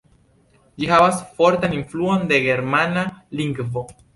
Ĝi havas fortan influon de germana lingvo.